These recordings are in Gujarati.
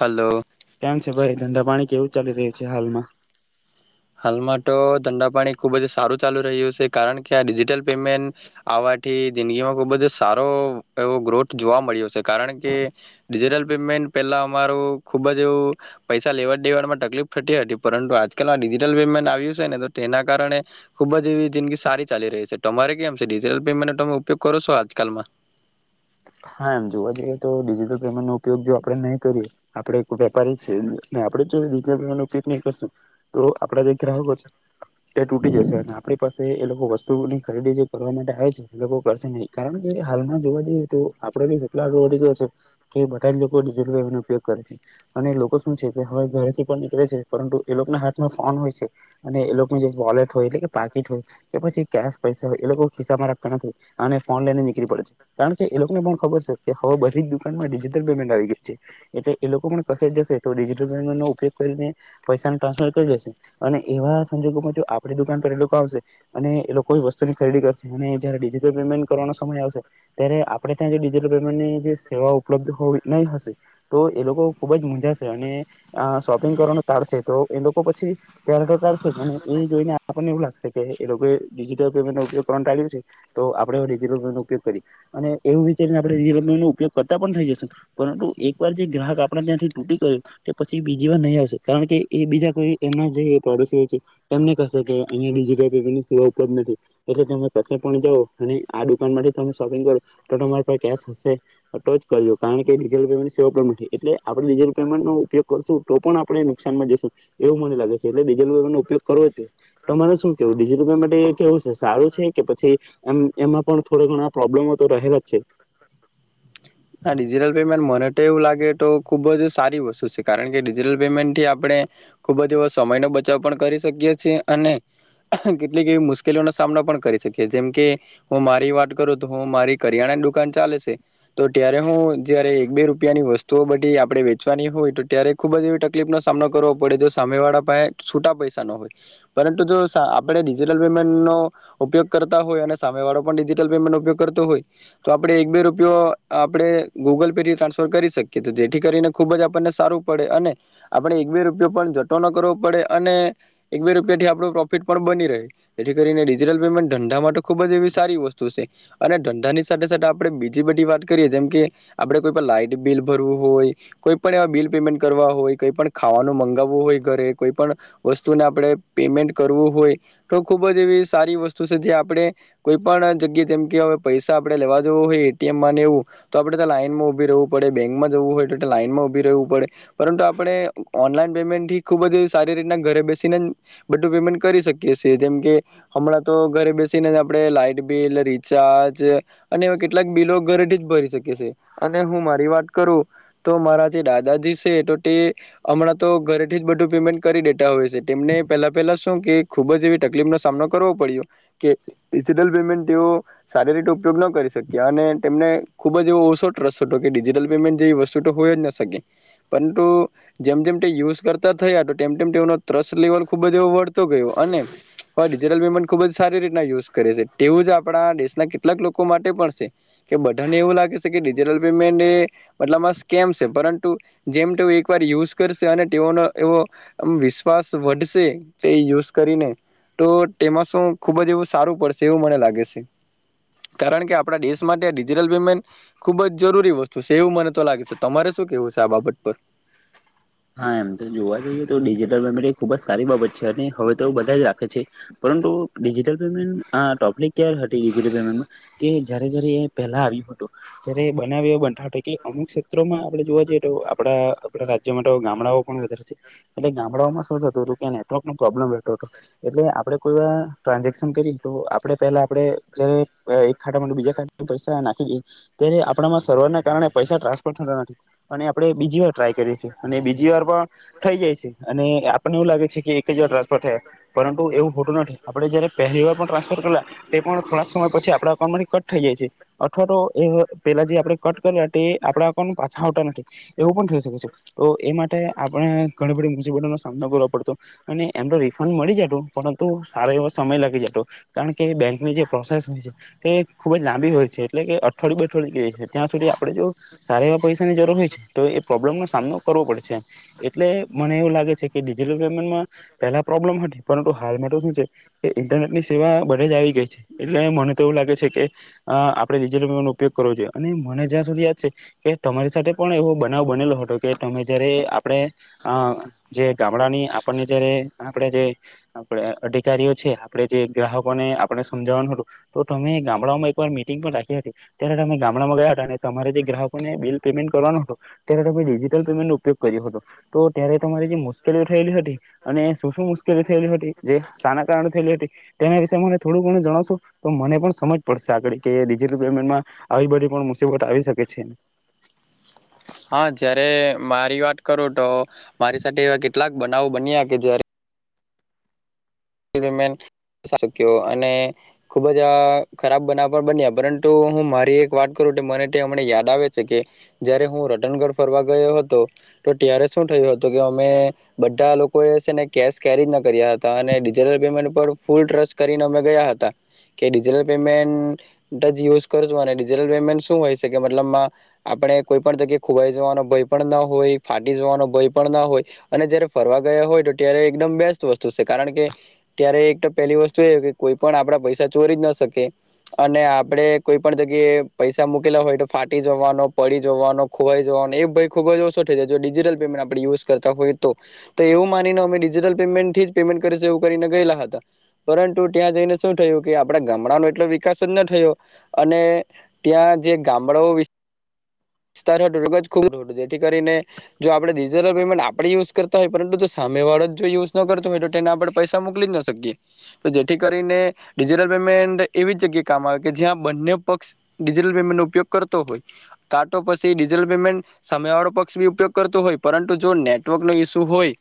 હલો કેમ છે ભાઈ ધંધા પાણી કેવું ચાલી રહ્યું છે હાલમાં. હાલમાં તો ધંધા પાણી ખુબ જ સારું ચાલુ રહ્યું છે કારણ કે આ ડિજિટલ પેમેન્ટ આવવાથી જિંદગીમાં ખુબ જ સારો એવો ગ્રોથ જોવા મળ્યો છે કારણ કે ડિજિટલ પેમેન્ટ પેલા અમારું ખુબ જ એવું પૈસા લેવાડ દેવાડમાં તકલીફ થતી હતી પરંતુ આજકાલ પમેન્ટ આવ્યું છેને તો તેના કારણે ખુબ જ એવી જિંદગી સારી ચાલી રહી છે તમારે કેમ છે ડિજટલ પેમેન્ટનો તમે ઉપયોગ કરો છો આજકાલમાં હા એમ જોવા જઈએ તો ડિજિટલ પેમેન્ટ નો ઉપયોગ જો આપે નહી કરીએ આપડે વેપારી છે આપડે જોટલ પેમેન્ટ નો ઉપયોગ નહી કરશું તો આપડા જે ગ્રાહકો છે એ તૂટી જશે અને આપણી પાસે એ લોકો વસ્તુની ખરીદી જે કરવા માટે આવે છે એ લોકો કરશે નહી કારણ કે હાલમાં જોવા જઈએ તો. આપડે આગડ વધી ગયો છે કે બધા જ લોકોટલ ઉપયોગ કરે છે અને લોકો શું છે કે હવે ઘરેથી પણ નીકળે છે પરંતુ એ લોકોના હાથમાં ફોન હોય છે અને એ લોકોની જે વોલેટ હોય એટલે કે પાકીટ હોય કે પછી કેશ પૈસા હોય એ લોકો ખિસ્સામાં રાખતા નથી હો અને ફોન લઈને નીકળી પડે છે કારણ કે. એબર હવે બધી જ દુકાનમાં ડિજિટલ પેમેન્ટ આવી ગઈ છે એટલે એ લોકો પણ કશે જ જશે તો ડિજિટલ પેમેન્ટ નો ઉપયોગ કરીને પૈસા ટ્રાન્સફર કરી જશે અને એવા સંજોગોમાં આપ દુકાન પર એ લોકો આવશે અને એ લોકો વસ્તુની ખરીદી કરશે અને જયારે ડિજિટલ પેમેન્ટ કરવાનો સમય આવશે ત્યારે. આપણે ત્યાં જે ડિજિટલ પેમેન્ટની જે સેવાઓ ઉપલબ્ધ હોવી નહીં હશે તો એ લોકો ખૂબ જ મૂંઝાશે અને શોપિંગ કરવાનું ટાળશે તો એ લોકો પછી પ્ય્યારે તો ટાળશે જ અને એ જોઈને આપણને એવું લાગશે કે એ લોકોએ ડિજિટલ પેમેન્ટનો ઉપયોગ કરવા ટાળ્યું છે તો આપણેવે ડિજિટલ પેમેન્ટનો ઉપયોગ કરી અને. એવું વિચારી નેણેલન્ટ નો ઉપયોગ કરતા પણ થઈ જશે પરંતુ એકવાર જે ગ્રાહક આપણે ત્યાંથી તૂટી ગ્યો પછી બીજી વાર નહી આવશે કારણ કે એ બીજા કોઈ એમના જે પ્રોડુ છે તેમને કહેશે અહીયાિજટલ પેમેન્ટની સેવા ઉપ નથી એટલે તમે ક પણ જા અને આ દુકાન માટે તમે શોપિંગ કરો. તો તમારી પા કેશ હશે ટચ કરજો કારણ કે ડિજિટલ પેમેન્ટ સેવા પણ નથી એટલે આપણે ડિજિટલ પેમેન્ટ નો ઉપયોગ કરશું તો પણ આપણે નુકસાનમાં જશું એવું મને લાગે છે એટલે ડિજિટલ પેમેન્ટ નો ઉપયોગ કરવો જોઈએ તો તમારે શું કેવું ડિજિટલ પેમેન્ટ માટે એ કેવું હશે. સારું છે કે પછી. એમ એમાં પણ થોડડા ઘણા પ્રોબ્લેમો તો રહેલા. જી. હા ડિજિટલ પેમેન્ટ મને તો એવું લાગે તો ખુબ જ સારી વસ્તુ છે કારણ કે ડિજિટલ પેમેન્ટ થી આપણે ખુબ જ એવો સમય ન બચાવ પણ કરી શકીએ છીએ અને કેટલીક એવી મુશ્કેલીઓનો સામનો પણ કરી શકીએ જેમ કે હું મારી વાત કરું તો હું મારી કરિયાણાની દુકાન ચાલે છે. તો ત્યારે હું જયારે એક બે રૂપિયાની વસ્તુઓ બધી આપણે વેચવાની હોય તો ત્યારે ખુબ જ એવી તકલીફનોો સામનો કરવો પડે જો સામે વાળા પા છૂટા પૈસાનો હોય પરંતુ જો આપણે ડિજીિટલ પેમેન્ટનોો ઉપયોગ કરતા હોય અને સામે વાળો પણ ડિજિટલ પેમેન્ટનો ઉપયોગ કરતો હોય તો આપણે એક બે રૂપિયો આપણે ગૂગલ પે થી ટ્રાન્સફર કરી શકીએ તો જેથી કરીને ખુબ જ આપણને સારું પડે અને આપણે એક બે રૂપિયો પણ જટો ન કરવો પડે અને એક બે રૂપિયા થી આપણ પ્રોફિટ પણ બની રહે તેથી કરીને ડિજીિટલ પેમેન્ટ ધંધા માટે ખૂબ જ એવી સારી વસ્તુ છે અને ધંધાની સાથે સાથે આપણે બીજી બધી વાત કરીએ જેમકે આપણે કોઈ પણ લાઈટ બિલ ભરવું હોય, કોઈ પણ એવા બિલ પેમેન્ટ કરવા હોય, કોઈ પણ ખાવાનું મગાવવું હોય, ઘરે કોઈ પણ વસ્તુને આપણે પેમેન્ટ કરવું હોય, તો ખુબ જ એવી સારી વસ્તુ છે જે આપણે કોઈ પણ જગ્યાએ જેમકેવે પૈસા આપણે લેવા જવો હોય એટીએમ માંને એવું તો આપડે લાાઈનમાં ઉભી રહેવું પડે બેંકમાં જવું હોય તો લાઈનમાં ઉભી રહેું પડે પરંતુ આપણે ઓનલાઈન પેમેન્ટ ખુબ જ સારી રીતના ઘરે બેસીને બધું પેમેન્ટ કરી શકીએ છી જેમ કે હમણાં તો ઘરે બેસીને આપણે લાાઈટ બિલ રીચાર્જ અને એવા કેટલાક બિલો ઘરેથી રી શ અને હું મારી વાત કરું તો મારા જે દાદાજી છે તો તે હમણાં તો ઘરેથી જ બધું પેમેન્ટ કરી દેતા હોય છે તેમને પહેલા પહેલા શું કે ખુબ જ એવી તકલીફનોો સામનો કરવો પડ્યો કે ડિજીટલ પેમેન્ટ તેઓ સારી રીતે ઉપયોગ નો કરી શક્યા અને તેમને ખુબ જ એવો ઓછો ટ્રસ્ટ હતો કે ડિજિટલ પેમેન્ટ જેવી વસ્તુ તો હોય જ ન શકે પરંતુ જેમ જેમ તે યુઝ કરતા થયા તો તેમ તેમ તેનો ટ્રસ્ટ લેવલ ખુબ જ એવો વ ધતો ગયો અને ડિજિટલ પેમેન્ટ ખૂબ જ સારી રીતના યુઝ કરે છે તેવું જ આપણા દેશના કેટલાક લોકો માટે પણ છે કે ને એવું લાગે છે કે ડિજિટલ પેમેન્ટ એ મતલબમાં સ્કેમ છે પરંતુ જેમ તેઓ એકવાર યુઝ કરશે અને તેઓનો એવો વિશ્વાસ વધશે કે યુઝ કરીને તો તેમાં શું ખુબ જ એવું સારું પડશે એવું મને લાગે છે કારણ કે આપણા દેશ માટે ડિજિટલ પેમેન્ટ ખુબ જ જરૂરી વસ્તુ છે એવું મને તો લાગે છે, તમારે શું કેવું છે આ બાબત પર હા એમ તો જોવા જઈએ તો ડિજિટલ પેમેન્ટ એ ખુબ જ સારી બાબત છે અને હવે તો બધા જ રાખે છે પરંતુ ડિજિટલ પેમેન્ટ આ ટોપિક ક્યારે હતીટલ પેમેન્ટમાં કે જયારે જયારે એ પહેલા આવ્યું હતું ત્યારે બનાવ બનતો કે અમુક ક્ષેત્રોમાં આપણે જોવા જઈએ આપડા આપ રાજ્ય જે માટે ગામડાઓ પણ વધારે છે એટલે ગામડાઓમાં શું થતું હતું કે નેટવર્ક નુ પ્રોબ્લમ રહેતો હતો એટલે આપણે કોઈ ટ્રાન્ઝેક્શન કરી તો આપણે પહેલા આપણે જય્યારે એક ખાટામાં બીજા ખાતા પૈસા નાખી દઈ ત્યારે આપણામાં સર્વરના કારણે પૈસા ટ્રાન્સફર થતા નથી અને આપણે બીજી વાર ટ્રાય કરીએ છીએ અને બીજી વાર પણ થઈ જાય છે અને આપણને એવું લાગે છે કે એક જ વાર ટ્રાન્સફર થયા પરંતુ એવું હોટું નથી આપણે જયારે પહેલી વાર પણ ટ્રાન્સફર કરલા તે પણ થોડાક સમય પછી આપડા અકાઉન્ટમાંથી કટ થઈ જાય છે અથવા તો એ પેલા જે આપડે કટ કર આપડા કો પાછા આવટા ન એવું પણ થઈ શકે છે. તો એ માટે આપણે ઘણી બધી મુસીબતોોનો સામનો કરવો પડતો અને એમનો રિફંડ મળી જતો પરંતુ સારો એવો સમય લાગી જતો કારણ કે બેંકની જે પ્રોસેસ હોય છે તે ખૂબ જ લાંબી હોય છે એટલે કે અઠવાડયે અઠવાડ ગ છે ત્યાં સુધી આપણે જો સારા એવા પૈસાની જરૂર હોય છે તો એ પ્રોબ્લેમનો સામનો કરવો પડે છેમ એટલે મને એવું લાગે છે કે ડિજિટલ પેમેન્ટમાં પહેલાં પ્રોબ્લેમ હતી પરંતુ હાલમાં તો શું છે કે ઇન્ટરનેટની સેવા બધે જ આવી ગઈ છે એટલે મને તો એવું લાગે છે કે આપણે ડિજિટલ પેમેન્ટનો ઉપયોગ કરવો જોઈએ અને મને જ્યાં સુધી યાદ છે કે તમારી સાથે પણ એવો બનાવ બનેલો હતો કે તમે જયારે આપણે જે ગામડાની આપણને જયારે આપણે જે અધિકારીઓ છે આપણે જે ગ્રાહકોને આપણે સમજાવવાનું હતું તો તમે ગામડામાં એકવાર મીટિંગ પણ રાખી હતી ત્યારે તમે ગામડામાં ગયા હતા અને તમારે જે ગ્રાહકોને બિલ પેમેન્ટ કરવાનું હતું ત્યારે તમે ડિજિ ટર પેમેન્ટ નો ઉપયોગ કર્યો હતો તો ત્યારે તમારી જે મુશ્કેલીઓ થયેલી હતી અને શું શું મુશ્કેલી થયેલી હતી જે સાના કારણે થયેલી હતી તેના વિશે મને થોડું ઘણું જણાવશો તો મને પણ સમજ પડશે આગળ કે ડિજટલ પેમેન્ટમાં આવી બધી પણ મુસીબત આવી શકે છે. હા જયારે મારી વાત કરું તો. મારી સાથે એવા કેટલાક. બનાવો બન્યા કે જયારે. ક્યો અને ખુબ જ આ ખરાબ બનાવ પણ બન્યા પરંતુ હું મારી એક વાત કરું મનેમને યાદ આવે છે કે જયારે હું રટનગઢ ફરવા ગયો હતો તો ત્યારે શું થયું હતું કે અમે બધા લોકો એ છે ને કેશ કેરી ના કર્યા હતા અને. લ પેમેન્ટ પર ફૂલ ટ્રસ્ટ કરીને અમે ગયા હતા કે ડિજિટલ પેમેન્ટ જ યુઝ કરશું અને ડિજટલ પેમેન્ટ શું હોય છે કે મતલબમાં આપણે કોઈ પણ જગ્યાએ ખોવાઈ જવાનો ભય પણ ન હોય ફાટી જવાનો ભય પણ ના હોય અને જયારે ફરવા ગયા હોય તો ત્યારે એકદમ બેસ્ટ વસ્તુ છે કારણ કે. ત્યારે એક તો પહેલી વસ્તુ એ કે કોઈ પણ આપડા પૈસા ચોરી જ ના શકે અને આપડે કોઈ પણ જગ્યાએ પૈસા મૂકેલા હોય તો ફાટી જવાનો પડી જવાનો ખોવાઈ જવાનો એ ભાઈ ખુબ જ ઓછો થઈ જાય જો ડિજિટલ પેમેન્ટ આપણે યુઝ કરતા હોય તો એવું માનીને અમે ડિજિટલ પેમેન્ટ થી જ પેમેન્ટ કરી કરીને ગયેલા હતા પરંતુ ત્યાં જઈને શું થયું કે આપડા ગામડા ન એટલો વિકાસ જ ના થયો અને ત્યાં જે ગામડાઓ. ખુબ જેથી કરીને જો આપણે ડિજિટલ પેમેન્ટ આપણે યુઝ કરતા હોય પરંતુ જો સામે વાળો જ જો યુઝ ન કરતો હોય તો તેને આપણે પૈસા મોકલી જ ના શકીએ તો જેથી કરીને ડિજિટલ પેમેન્ટ એવી જ જગ્યા કામ આવે કે જ્યાં બંને પક્ષ ડિજિટલ પેમેન્ટ નો ઉપયોગ કરતો હોય. કા પછી ડિજિટલ પેમેન્ટ સામે વાળો પક્ષ બી ઉપયોગ કરતો હોય પરંતુ જો નેટવર્ક ન ઈસ્યુ હોય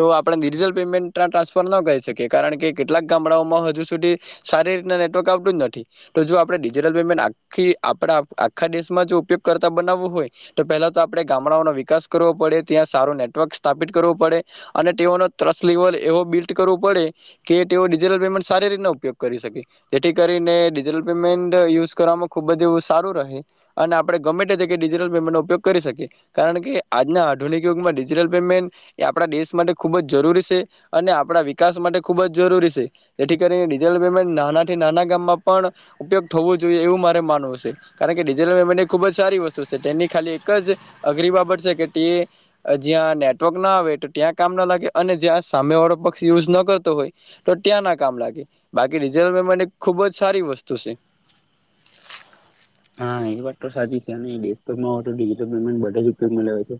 તો આપણે ડિજીિટલ પેમેન્ટ ટ્રાન્સફર ન કરી શકીએ કારણ કે કેટલાક ગામડાઓમાં હજુ સુધી સારી રીતના નેટવર્ક આવતું જ નથી તો જો આપણે ડિજિટલ પેમેન્ટ આખી આપ આખા દેશમાં જો ઉપયોગ. કરતા બનાવવું હોય તો પહેલા તો આપે ગામડાઓનો વિકાસ કરવો પડે ત્યાં સારો નેટવર્ક સ્થાપિત કરવો પડે અને તેઓનો ત્રસ લેવલ એવો બિલ્લ્ટ કરવો પડે કે તેઓ ડિજિટલ પેમેન્ટ સારી રીતના ઉપયોગ કરી શકે જેથી કરીને ડિજીિટલ પેમેન્ટ યુઝ કરવામાં ખુબ જ એવું સારું રહે અને. આપણે ગમે તે કે ડિજિટલ પેમેન્ટનો ઉપયોગ કરી શકી કારણ કે આજના આધુનિક યુગમાં ડિજિટલ પેમેન્ટ એ આપણા દેશ માટે ખૂબ જ જરૂરી છે અને આપણા વિકાસ માટે ખૂબ જ જરૂરી છે જેથી કરીને ડિજિટલ પેમેન્ટ નાનાથી નાના ગામમાં પણ ઉપયોગ થવો જોઈએ એવું મારે માનવું હશે કારણ કે ડિજિટલ પેમેન્ટ. ખુબ જ સારી વસ્તુ છે તેની ખાલી એક જ અઘરી બાબત છે કે તે જ્યાં નેટવર્ક ના આવે તો ત્યાં કામ ના લાગે અને જ્યાં સામે વાળો પક્ષ યુઝ ના કરતો હોય તો ત્યાં ના કામ લાગે બાકી ડિજિટલ પેમેન્ટ મે ખુબ જ સારી વસ્તુ છે. હા એ વાત તો સાચી છે અને દમા હો તો ડીજીટલ પેમેન્ટ બધા જ ઉપયોગ મળ્યા હો છે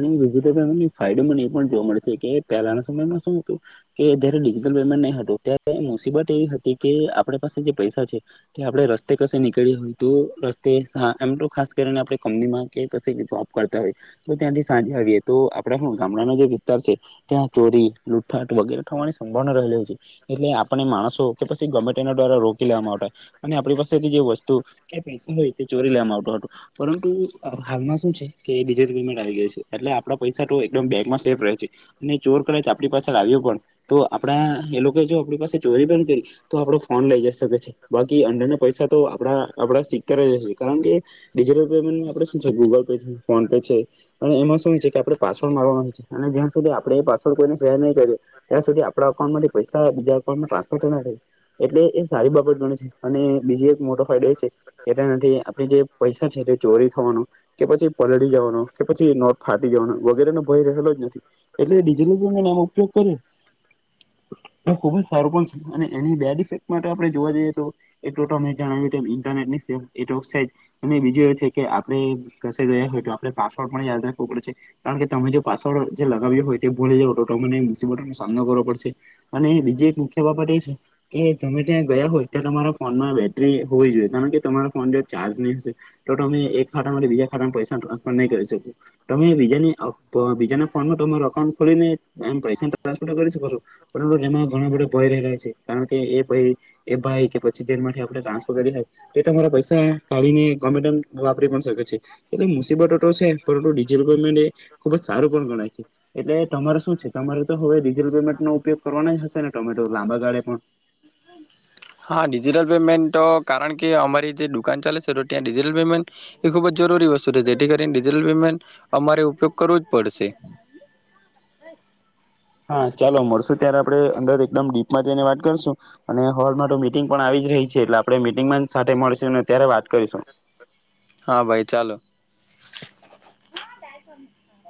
અને ડિજટલ પેમેન્ટ ફાયદો મને એ પણ જોવા મળે છે કે પહેલાના સમયમાં શું હતું કે જયારે ડિજિટલ પેમેન્ટ નહી હતું ત્યારે મુસીબત એવી હતી કે આપણે પાસે જે પૈસા છે તે આપડણે રસ્તે કશે નીકળી હોય. એમ તો ખાસ કરીને આપણે કંપનીમાં કે જોબ કરતા હોય તો ત્યાંથી સાંજે આવીએ તો આપ ગામડાનો જે વિસ્તાર છે ત્યાં ચોરી લૂટાટ વગેરે થવાની સંભાવના રહેલી છે એટલે આપણે માણસો કે પછી ગમે એના દ્વારા રોકી લેવામાં આવતા અને આપણી પાસેથી જે વસ્તુ. ક પૈસા હોય તે ચોરી લેવામાં આવતો હતો પરંતુ હાલમાં શું છે કે ડિજટલ પેમેન્ટ આવી ગાય છે એટલે આપણા પૈસા તો એકદમ બેગમાં સેફ રહે છે અને ચોર કદાચ આપણી પાસે લાવ્યો પણ તો આપડા એ લોકો જો આપણી પાસે ચોરી પણ કરી તો આપડો ફોન લઈ જઈ શકે છે બાકી અંંદરના પૈસા તો આપડા. આપણે સિકીયોર જ છે કારણ કે ડિજિટલ પેમેન્ટમાં આપણે શું છે ગૂગલ પે છે ફોન પે છે અને એમાં શું હોય છે કે આપણે પાસવર્ડ મારવાનો હોય છે અને જ્યાં સુધી આપણે એ પાસવર્ડ કોઈને શેર નહીં કરીએ ત્યાં સુધી આપણા અકાઉન્ટમાંથી પૈસા બીજા અકાઉન્ટમાં ટ્રન્સફર થ રહે એટલે એ સારી બાબત ગણી છે અને બીજો એક મોટો ફાયદો એ છે. એટના આપણે જે પૈસા છે ચોરી થવાનો કે પછી પલળી જવાનો કે પછી નોટ ફાટી જવાનો વગેરેનો ભય રહેલો જ નથી એટલે ડિજિટલ પેમેન્ટ એનો ઉપયોગ કરી ખુબ જ સારું પણ છે અને એની બેડ ઇફેક માટે આપણે જોવા જઈએ તો ટો જણાવી. ઇન્ટરનેટની સે અને બીજું એ છે કે આપણે કશે ગયા હોય તો આપણે પાસવર્ડ પણ યાદ રાખવો પડે છે કારણ કે તમે જો પાસવર્ડ જે લગાવ્યો હોય તે ભૂલી જો તોને મુસીબતો નો સામનો કરવો પડશે અને બીજી એક મુખ્ય બાબત એ છે કે તમે ત્યાં ગયા હોય ત્યાં તમારા ફોનમાં બેટરી હોવી જોઈએ. કારણ કે તમારા ફોન જો ચાર્ નહીં હશે તો તમેને એક ખાટામાં બીજા ખાટામાં પૈસા ટ્રાસ. પણ નહી કરી શકકો તમે બીજાની. તો બીજાને ફોનમાં તો તમારો અકાઉન્ટ ખોલીને. એમ પૈસા ટ્રાન્સફર કરી શ કરકો છું જે ઘણા બધા. ભય રહે છે કારણ કે એ ભાઈ એ ભાઈ કે પછી જેમાંથી આપણે ટ્રાન્સફર કરી એ તમારા પૈસા કાઢીને ગમેતેમ વાપરી પણ શકે. એટલે મુસીબતો તો છે. પરંતુ ડિજિટલ પેમેન્ટ એ ખુબ જ સારું પણ ગણાય છે એટલે તમારે શું છે તમારે તો હવે જેલ પેમેન્ટનો ઉપયોગ કરવાના જ હશે. ને ટોમેટો લાંબા ગાળે પણ. હા ડિજિટલ પેમેન્ટ તો કારણ કે અમારી જે દુકાન ચાલે છે તો ત્યાં ડિજિટલ પેમેન્ટ એ ખુબ જ જરૂરી વસ્તુ છે જેથી કરીને ડિજિટલ પેમેન્ટ અમારે ઉપયોગ કરવો જ પડશે. હા ચાલો મળશું ત્યારે આપણે અંદર એકદમ ડીપમાં જઈને વાત કરશું અને હોલમાં તો મીટિંગ પણ આવી જ રહી છે એટલે આપણે મીટિંગમાં સાથે મળશું ત્યારે વાત કરીશું. હા ભાઈ ચાલો.